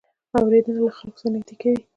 اورېدنه له خلکو سره نږدې کوي.